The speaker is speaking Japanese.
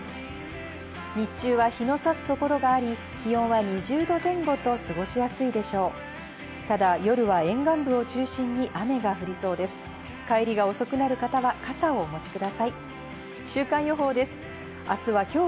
日中は日の差すところがあり、気温は２０度前後と過ごしやすいでしょう。